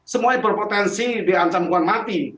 semua yang berpotensi di ancam bukan mati